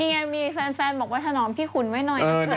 มีไงมีแฟนบอกว่าถนอมพี่ขุนค่ะ